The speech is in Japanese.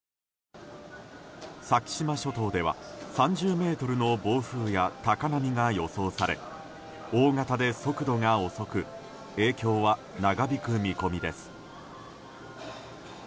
先島諸島では３０メートルの暴風や高波が予想され大型で速度が遅く影響は長引く見込みです。